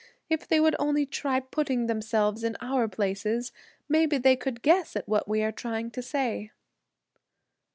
If they would only try putting themselves in our places, maybe they could guess what we are trying to say."